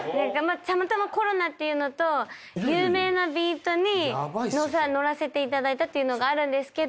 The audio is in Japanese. たまたまコロナっていうのと有名なビートに乗らせていただいたっていうのがあるんですけど。